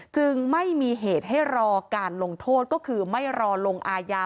จึงไม่มีเหตุให้รอการลงโทษก็คือไม่รอลงอาญา